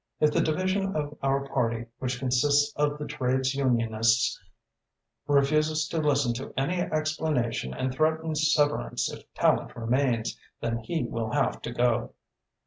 If the division of our party which consists of the trades unionists refuses to listen to any explanation and threatens severance if Tallente remains, then he will have to go."